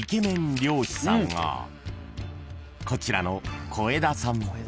漁師さんがこちらの小枝さん］